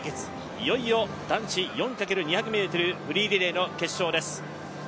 いよいよ男子４×２００ｍフリーリレーの決勝です。